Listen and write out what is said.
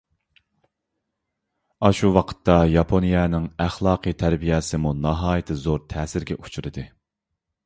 ئاشۇ ۋاقىتتا ياپونىيەنىڭ ئەخلاقىي تەربىيەسىمۇ ناھايىتى زور تەسىرگە ئۇچرىدى.